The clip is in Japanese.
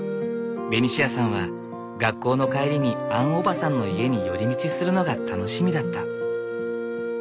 ベニシアさんは学校の帰りにアンおばさんの家に寄り道するのが楽しみだった。